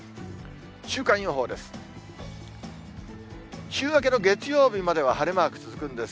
週間予報です。